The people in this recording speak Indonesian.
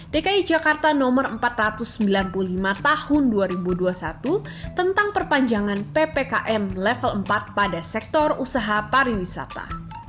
dki jakarta nomor empat ratus sembilan puluh lima tahun dua ribu dua puluh satu tentang perpanjangan ppkm level empat pada sektor usaha pariwisata